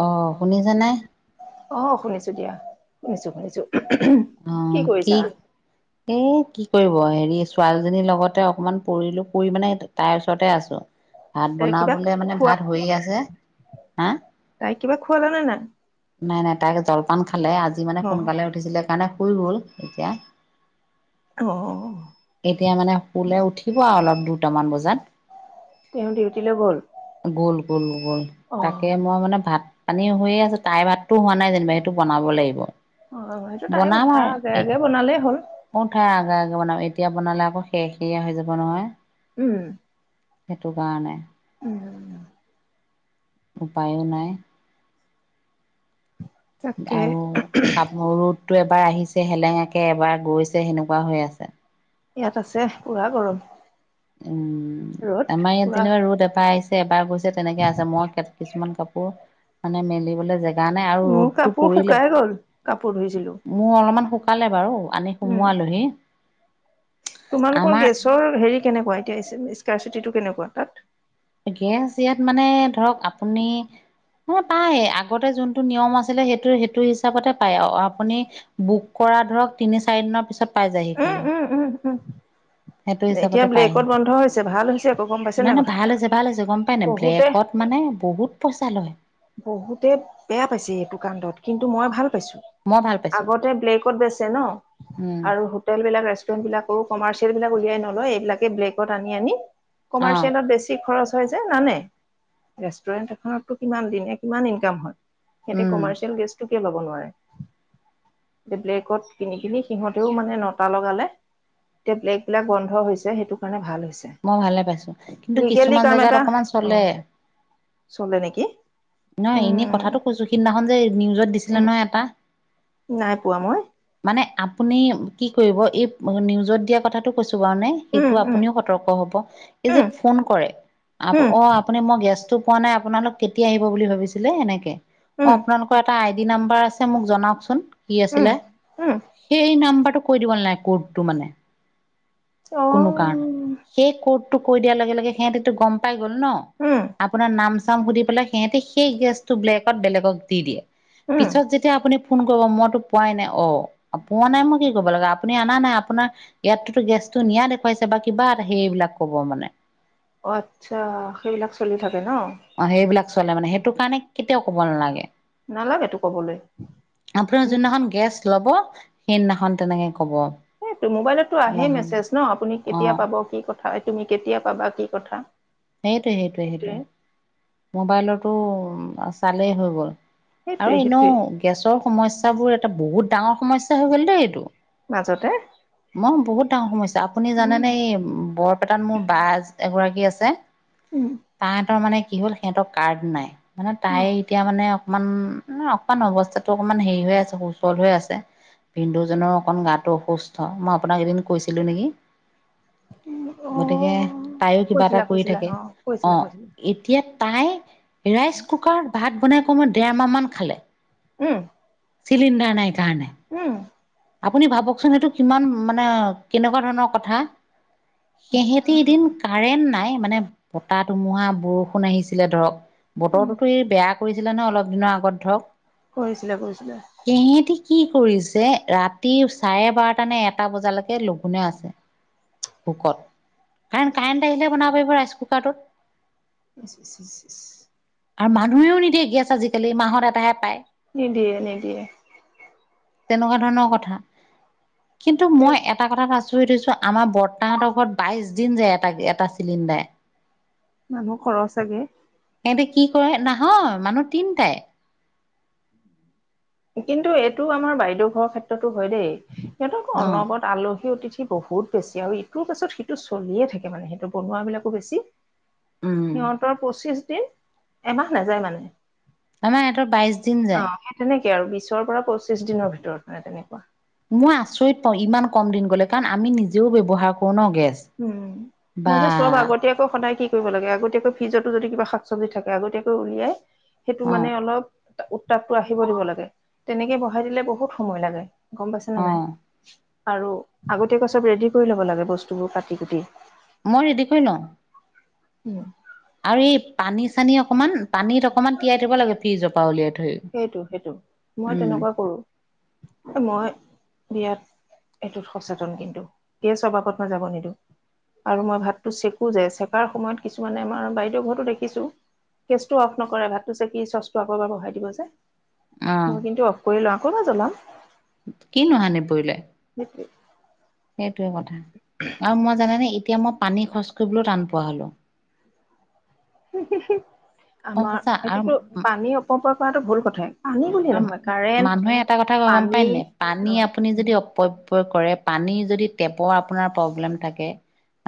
অ শুনিছানে অ শুনিছোঁ দিয়া শুনিছোঁ শুনিছোঁ অ কি এ কি কৰিব হেৰি ছোৱালীজনীৰ লগতে অকমান পৰিলো পৰি মানে তাইৰ ওচৰতে আছোঁ ভাত এ কিবা বনাবলে মানে খোৱা ভাত হৈয়ে আছে। হা তাই কিবা খোৱালানে নাই নাই নাই তাই জলপান খালে আজি মানে অ সোনকালে উঠিছিলে কাৰণে শুই গ'ল এতিয়া অ এতিয়া মানে শুলে উঠিব আৱ অলপ দুটামান বজাত তেওঁ ডিউটিলৈ গ'ল গ'ল গ'ল অ তাকে মই মানে ভাত পানী হৈয়ে আছে তাইৰ ভাততো হোৱা নাই যেনিবা এইটো বনাব লাগিব অ হয় বনাম আৰু এ শুই উঠাৰ আগে আগে বনাম এতিয়া বনালে আকৌ খেৰখেৰীয়া হৈ যাব নহয় উম সেইটো কাৰণে। উম উপায়ো নাই। তাকে আৰু [unintelligible] বাৰ আহিছে হেলেঙাকে এবাৰ গৈছে হেনেকুৱা হৈ আছে। ইয়াত আছে পুৰা গৰম। উম [inaudible] আমাৰ ইয়াত পুৰা যেনিবা ৰ'দ এবাৰ আহিছে এবাৰ গৈছে তেনেকে আছে মই কিছুমান কাপোৰ মানে মেলিবলৈ জেগা জা নে আৰু মোৰ ৰ'দটো কাপোৰ পৰিলে শুকাই গ'ল কাপোৰ ধুইছিলো মোৰ অলপমান শুকালে বাৰু আনি উম সুমোৱালে। লহী তোমালোকৰ গেছৰ হেৰি কেনেকুৱা এতিয়া স্কাৰ চিটিটো কেনেকুৱা তাত? গেছ ইয়াত মানে ধৰক আপুনি নহয় পায় আগতে যোনটো নিয়ম আছিলে সেইটো -সেইটো হিচাপতে পায় আৰু আপুনি বুক কৰা পৰা ধৰক তিনি চাৰি দিনৰ পিছত পাই যায়হি উম খালি। উম উম সেইটো [inaudible] এতিয়া হিচাপতে পায়হি ব্লেকত বন্ধ হৈছে ভাল হৈছে একো গম পাইছে নাই নে নাই কথাবিলাক বহুতে এ' বহুত পইচা লয়। বহুতে বেয়া পাইছে এইটোকাণ্ডত। কিন্তু মই ভাল পাইছো মই ভাল পাইছোঁ আগতে ব্লেকত বেচে ন' উম আৰু হোটেল বিলাক ৰেষ্টুৰেণ্ট বিলাকৰো কমাৰ্চিয়েল বিলাক উলিয়াই নলয় এইবিলাকে ব্লেকত আনি - আনি অ কমাৰ্চিয়েলত বেছি খৰচ যে নানে ৰেষ্টুৰেন্ট এখনতো কিমান দিন ইমান ইনকাম হয়। সিহঁতে উম কমাৰ্চিয়েল গেছটো কে ল'ব নোৱাৰে ব্লেকত কিনি- কিনি সিহঁতেও মানে ন পতা লগালে এতিয়া ব্লেগ বিলাক বন্ধ হৈছে সেইটো কাৰণে ভাল মই ভালে পাইছো কিন্তু লিগেলি কিছুমান কাম জেগাত এটা অকমান চলে অ'চলে নেকি। নহ এনেই উম কথাটো কৈছো সিদিনাখন যে নিউজত দিছিলে উম নহয় এটা নাই পোৱা মই। মানে আপুনি কি কৰিব এই নিউজত দিয়া কথাটো কৈছোঁ? হেতু উম উম আপুনিও সতৰ্ক হ'ব এই যে উম, ফোন কৰে আপ উম, - অহ আপুনি মই গেছটো কোৱা নাই আপোনালোক কেতিয়া আহিব বুলি ভাবিছিলে এনেকে মই উম, আপোনালোকৰ এটা আইডি কি নাম্বাৰ আছে মোক জনাওক চোন কি উম, আছিলে উম, সেই নাম্বাৰ টো কৈ দিব নালাগে কোদতো মানে কোনো অ', কাৰণত সেই কোদ তো কৈ দিয়া লগে লগে সিহতেতো গম পাই গ'ল ন উম, আপোনাৰ নাম -চাম সুধি পেলাই সিহতি সেই গেছটো ব্লেকত বেলেগক দি দিয়ে উম, পিছত যেতিয়া আপুনি ফোন কৰিব মইতো পোৱাই নাই অ'পোৱা নাই মই কি কৰিব লাগে আপুনি অনা নাই আপোনাৰ ইয়াততেতো গেছ টো নিয়া দেখুৱাইছে বা কিবা এটা সেইবিলাক ক'ব মানে। অহ, আচ্ছা সেইবিলাক চলি থাকে ন', অ সেইবিলাক চলে মানে সেইটো কাৰণে কেতিয়াও ক'ব নালাগে। নালাগেতো ক'বলৈ। [inaudible] আপোনাৰ উম, যোনদিনাখন গেছ লব সেইদিনাখন তেনেকে কব অ সেটো মোবাইলতটো আহে মেছেজ ন' আপুনি কেতিয়া পাব কি কথা হয়, তুমি কেতিয়া পাবা কি কথা সেইটোৱে -সেইটোৱে - সেইটোৱে। মোবাইলতো চালেই হৈ গ'ল। সেইটোৱে আৰু সেইটোৱে এনেও গেছৰ সমস্যাবোৰ এটা বহুত ডাঙৰ সমস্যা হৈ গ'ল দেই এইটো মাজতে মই বহুত ডাঙৰ সমস্যা আপুনি উম, জানেনে এই বৰপেটাত মোৰ বা এগৰাকী আছে। উম, তাহঁতৰ মানে কি হ'ল সিহঁতৰ কাৰ্ড নাই মানে উম। তাই এতিয়া মানে অকমান -অকমান অৱস্থাতটো অকমান হেৰি হৈ আছে সুচল হৈ আছে। পিন্দুজনৰ অকণ গাটো অসুস্থ ছিলো নেকি গতিকে অ', তাইও কিবা এটা কৈছিলা কৰি কৈছিলা থাকে অ কৈছিলা কৈছিলা এতিয়া তাই ৰাইচ কুকাৰত ভাত বনাই ক মই দেৰমাহ মান খালে উম চিলিণ্ডাৰ নাই কাৰণে উম আপুনি ভাবকচোন সেইটো কিমান মানে কেনেকুৱা ধৰণৰ কথা। সিহেতি এদিন কাৰেণ্ট নাই মানে বতাহ ধুমুহা বৰষুণ আহিছিলে ধৰক উম, বতৰটোতো ই বেয়া কৰিছিলে নহয় অলপ দিনৰ আগত ধৰক কৰিছিলে কৰিছিলে সিহেঁতি কি কৰিছে ৰাতি চাৰে বাৰটা নে এটা বজালৈকে লঘোনে আছে ভোকত কাৰণ কাৰেণ্ট আহিলে বনাব পাৰিব ৰাইচ কুকাৰটোত [unintelligible] আৰু মানুহেও নিদিয়ে গেছ আজিকালি মাহত এটাহে পায় নি দিয়ে নিদিয়ে তেনেকুৱা ধৰণৰ কথা। কিন্তু মই এটা কথাত আচৰিত হৈছো আমাৰ বৰ্তাহতৰ ঘৰত বাইশ দিন যায় এটা এটা চিলিণ্ডাৰ মানুহ খৰচ ছাগে সিহতে কি কৰে নহয় মানুহ তিনটাই কিন্তু এইটো আমাৰ বাইদেউ ঘৰৰ ক্ষেত্ৰতো হয় দেই সিহঁত আকৌ অ অনবত আলহী অতি থি বহুত বেছি আৰু ইটোৰ পাছত সিটো চলিয়ে থাকে মানে সেইটো বনোৱা বিলাকো বেছি উম সিহঁতৰ পঁচিছ দিন এমাহ নাযায় মানে আমাৰ সিহঁতৰ বাইশ দিন অ যায় সেই তেনেকে আৰু বিশৰ পৰা পঁচিশ দিনৰ ভিতৰত মানে তেনেকুৱা মই আচৰিত পাওঁ ইমান কম দিন গ'লে কাৰণ আমি নিজেও ব্যৱহাৰ কৰো ন। গেছ উম মই বা যে চব আগতীয়াকৈ সদায় কি লাগ আগতীয়াকৈ ফ্ৰিজতো যদি কিবা শাক চবজি থাকে আগতীয়াকৈ উলিয়াই সেইটো অ মানে অলপ উত্তাপটো আহিব দিব লাগে তেনেকে বঢ়াই দিলে বহুত সময় লাগে গম পাইছে নে অ নাই, আৰু আগতীয়াকৈ চব ৰেডি কৰি ল'ব লাগে বস্তুবোৰ কাটি কুটি মই ৰেদি কৰি লওঁ উম! [unintelligible] আৰু এই পানী-চানী অকনমান, পানীত অকনমান তিয়াই থব লাগে ফ্ৰিজৰ উলিয়াই। থৈ সেইটো-সেইটো মই উম তেনেকুৱা কৰো। এ মই বিৰাত এইটোত সচেতন কিন্তু এ স্বভাৱত মই যাব নিদিওঁ। আৰু মই ভাতটো চেকো যে চেকাৰ সময়ত কিছুমানে আমাৰ বাইদেউ ঘৰতো দেখিছো। গেছ টো অফ নকৰে ভাতটো চেকি চচটো আকৌ এবাৰ বঢ়াই দিব। অ মই কিন্তু অফ কৰি ল‌ওঁ আকৌ এবাৰ জ্বলাম। কিনো হানি পৰিলে। উ [unintelligible] সেইটোৱেই কথা। আৰু মই জানে নে? এতিয়া মই পানী খৰচ কৰিবলৈ টান পোৱা হলোঁ। আমাৰ এইটোতো আৰু পানী অপপয় কৰাটো ভুল কথাই। পানী বুলিয়ে নহয় কাৰেণ্ট মানুহে এটা কথা গম পানী পায় নাই পানী অ আপুনি যদি অপ অপপয় কৰে পানী যদি টেপৰ আপোনাৰ প্ৰব্লেম থাকে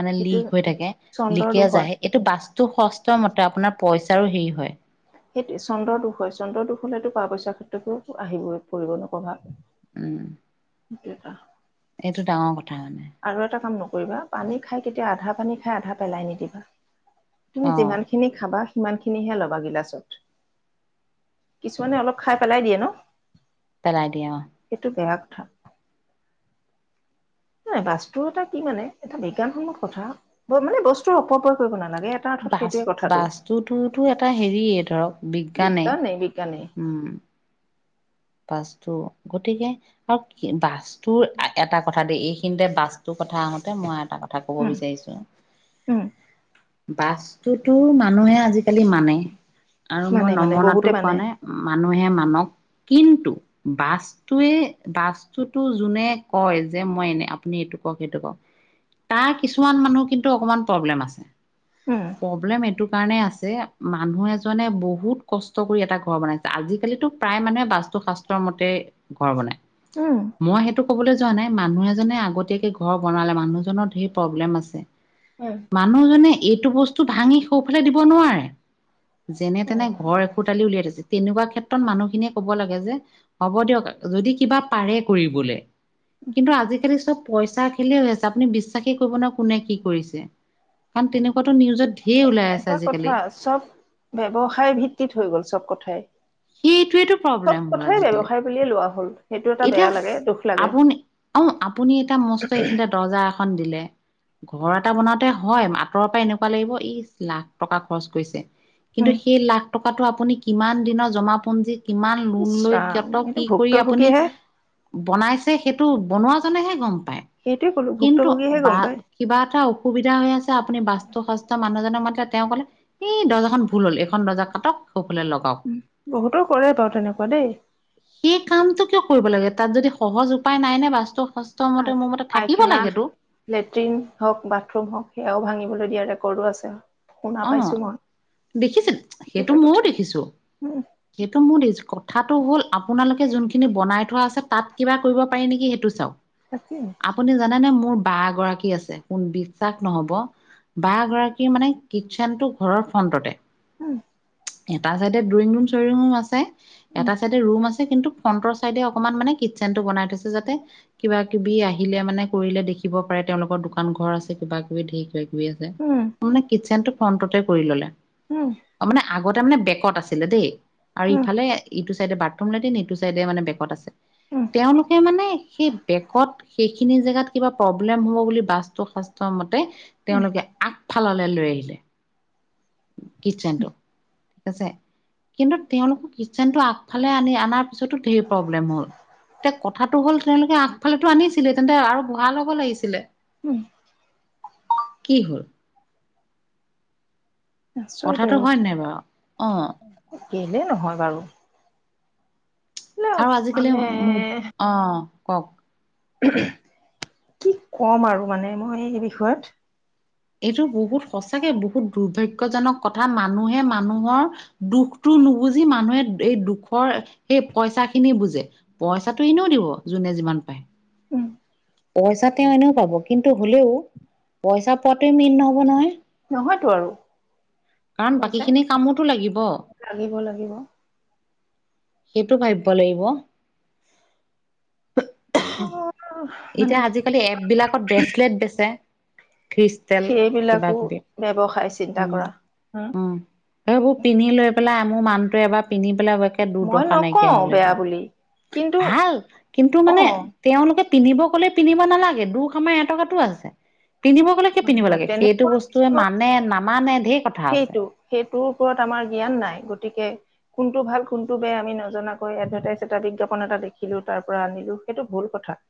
মানে সেইটো লিক হৈ থাকে, চন্দ্ৰৰ লিকে দুখ হয় যায়েই এইটো বাস্ত টো ষষ্ঠ মতে আপোনাৰ পইচাৰো হেৰি হয়। সেইটো চন্দ্ৰদুখ হয়, চন্দ্ৰদুখ হলেতো টকা-পইচাৰ ক্ষেত্ৰতোও আহিবই, পৰিব প্ৰভাৱ। উম! সেইটোৱে ট এইটো ডাঙৰ কথা মানে আৰু এটা কাম নকৰিবা পানী খাই কেতিয়াও আধা পানী খাই আধা পেলাই নিদিবা। তুমি অ যিমানখিনি খাবা সিমানখিনিহে ল'বা গিলাচত। কিছুমানে অলপ খাই পেলাই দিয়ে ন? পেলাই দিয়ে অঁ! ঠ এই বাস্তুৰ এটা কি মানে এটা বিজ্ঞানসন্মত কথা মানে বস্তুৰ অপব্যয় কৰিব না- বাচ-বাস্তুটোতো এটা হেৰিয়ে ধৰক বিজ্ঞানেই। উম! বাস্তু গতিকে আৰু বাস্তুৰ এটা কথা দেই এই এইখিনিতে বাস্তুৰ কথা আহোতে মই এটা কথা কব উম বিচাৰিছো উম বাস্তুতো মানুহে আজিকালি মানে। আৰু মই মানে মানে নমনাটো বহুতে কোৱা মানে নাই মানুহে মানক। কিন্তু বাস্তয়ে বাস্তুটোতো যোনে কয় যে মই এনে, আপুনি এইটো ক সেইটোক তাক কিছুমান মানুহ কিন্তু অকনমান প্ৰব্লেম আছে। উম প্ৰব্লেম এইটো কাৰণে আছে মানুহ এজনে বহুত কষ্ট কৰি এটা ঘৰ বনাইছে আজিকালিটো প্ৰায় মানুহে বাস্তু-শাস্ত্ৰৰ মতে ঘৰ বনাই, উম মই সেইটো কবলৈ যোৱা নাই। মানুহ এজনে আগতীয়াকে ঘৰ বনালে মানুহজনৰ ধেৰ প্ৰব্লেম আছে। উম মানুহজনে এইটো বস্তু ভাঙি সৌফালে দিব নোৱাৰে, যেনে-তেনে অ ঘৰ এখোটালি উলিয়াই থৈছে। তেনেকুৱা ক্ষেত্ৰত মানুহখিনিয়ে কব লাগে যে হ'ব দিয়ক যদি কিবা পাৰে কৰিবলে কিন্তু আজিকালি চব পইচা খেলেই হৈ আছে, আপুনি বিশ্বাসেই কৰিব নোৱাৰ কোনে কি কৰিছে। কাৰণ তেনেকুৱাতো নিউজত ঢেৰ ওলাই আছে এটা কথা আজিকালি চব ব্যৱসায় ভিত্তিত হৈ গ'ল চব কথাই। সেইটোৱেটো চব প্ৰব্লেম হ'ল কথাই আজিকালি ব্যৱসায় বুলিয়েই লোৱা হ'ল। সেইটো এটা এতিয়া বেয়া লাগে দুখ লাগে। আপুনি আহ! আপুনি এটা মস্ত এইখিনিতে দৰ্জা এখন দিলে। ঘৰ এটা বনাওতে হয় আঁতৰৰ পৰা এনেকুৱা লাগিব ইচ লাখ টকা খৰচ কৰিছে। কিন্তু উম। সেই লাখ টকাটো আপুনি কিমান দিনৰ জমাপুঞ্জী কিমান লোন ইচ লৈ, ৰাম কত এইটো কি কৰি আপুনি ভুক্তভোগীহে বনাইছে সেইটো বনোৱা জনেহে গম পায় সেইটোৱেই ক কিন্তু বা কিবা এটা অসুবিধা হৈ আছে আপুনি বাস্তু শাস্ত্ৰ মানুহজক মাতিলে তেওঁ কলে এই দৰ্জাখন ভুল হ'ল এখন দৰ্জা কাটক সৌফালে লগাওক বহুতৰ কৰে বাৰু তেনেকুৱা দেই সেই কামটো কেও কৰিব লাগে তাত যদি সহজ উপায় নাই নে বাস্তু শাস্ত্ৰ মতে মোৰ মতে থাকিব পাইখানা লাগেতো লেট্ৰিন হওক বাথৰুম হওক সেয়াও ভাঙিবলৈ দিয়া ৰেকৰ্ডো আছে। শুনা অ পাইছো মই দেখিছে সেইটো এটা ময়ো কথা দেখিছো উম সেইটো মোৰ দেখিছো ক কথাটো হ'ল আপোনালোকে যোনখিনি বনাই থোৱা আছে তাত কিবা কৰিব পাৰি নেকি সেইটো চাওক। তাকে আপুনি জানেনে মোৰ বা গৰাকী আছে কোন বিশ্বাস নহব বা গৰাকী মানে কিটচেনটো ঘৰৰ ফ্ৰণ্টতে। উম এটা চাইডে ড্ৰয়িং ৰুম চৰিং ৰুম আছে উম এটা চাইডে ৰুম আছে কিন্তু ফ্ৰণ্টৰ চাইডে অকমান মানে কিটচেন টো বনাই থৈছে যাতে কিবা কিবি আহিলে মানে কৰিলে দেখিব পাৰে। তেওঁলোকৰ দোকান ঘৰ আছে কিবা কিবি ধেৰ কিবা কিবি। উম মানে কিচনটো ফ্ৰন্টতে কৰি ললে উম মানে আগতে মানে বেকত আছিলে দেই আৰু উম ইফালে ইটো চাইডে বাথৰুম লেটিন এইটো চাইডে মানে বেকত আছে। উ তেওঁলোকে মানে সেই বেকত সেইখিনি জেগাত কিবা প্ৰব্লেম হ'ব বুলি বাছটো শাস্ত- মতে উম তেওঁলোকে আগফালে লৈ আহিলে। কিটচেন টো ঠিক আছে কিন্তু তেওঁলোকো কিটচেনটো আগফালে আনি আনাত তাৰ পিছতও ধেৰ প্ৰব্লেম হল এতিয়া কথাটো হ'ল তেওঁলোকে আগফালে আনিছিলে তেন্তে আৰু গোহাল হ'ব লাগিছিলে উম কি হল আচৰিত কথাটো আৰু হয় নাই বাৰু অ', কেলে নহয় বাৰু এইবিলাক আৰু আজিকালি মানে মোৰ অহ কওক কি কম আৰু মানে মই এই বিষয়ত এইটো বহুত সঁচাকে বহুত দুৰ্ভাগ্যজনক কথা মানুহে মানুহৰ দুখটো নুবুজি মানুহে এই দুখৰ সেই পইচা খিনি বুজে পইচাটো এনেও দিব যোনে যিমান পায়। উম পইচা তেওঁ এনেও পাব কিন্তু হলেও পইচা পোৱাতে মেইন নহব নহয়। নহয়তো আৰু কাৰণ পইচা বাকীখিনি কামোতো লাগিব। লাগিব লাগিব সেইটো ভাবিব লাগিব অ মানে এতিয়া আজিকালি এপ বিলাকত ব্ৰেচলেট বেচে খ্ৰীষ্টেল কিবা সেইবিলাকো কিবি ব্যৱসায় চিন্তা কৰা হম। এইবোৰ পিন্ধি লৈ পেলাই মোৰ মানুটো এবাৰ পিন্ধি পেলাই একে দূৰ মই দুদৰ্শা নাইকিয়া নকওঁ হলে এই বেয়া বোৰ বুলি কিন্তু ভাল কিন্তু অ মানে তেওঁলোক পিন্ধিব ক'লে পিন্ধিব নালাগে দুখ আমাৰ এটকাটো আছে। পিন্ধিব গ'লে কিয় হয় পিন্ধিব নহয় লাগে সেইটো তেনেকুৱা বস্তুৱে কিছুমান মানে না- সেইটো সেইটোৰ ওপৰত আমাৰ জ্ঞান নাই গতিকে কোনটো ভাল কোনটো বেয়া আমি নজনাকৈ এডভাৰটাইজ এটা বিজ্ঞাপন এটা দেখিলো তাৰ পৰা আনিলো সেইটো ভুল কথা।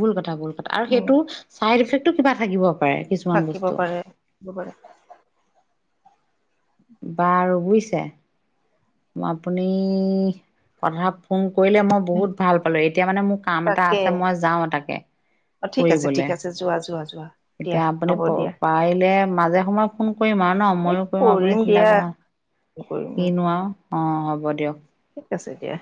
ভুল কথা ভুল কথা আৰু উম সেইটো চাইড ইফেক্টটো কিবা থাকিব পাৰে। কিছুমান থাকিব বস্তু। পাৰে। বাৰু বুইছে আপুনি কথা ফোন- কৰিলে মই বহুত ভাল পালো এতিয়া মানে মোৰ কাম এটা তাকে আছে মই যাও এ তাকে অ ঠিক আছে ঠিক কৰিবলে আছে যোৱা যোৱা যোৱা দিয়া এতিয়া আপুনি হ'ব দিয়া পাৰিলে মাজে সময় ফোন কৰিম। ন এই মইয়ো কৰিম আপুনি চিন্তা দিয়া কৰা কৰিম অ হ'ব দিয়ক। ঠিক আছে এতিয়া।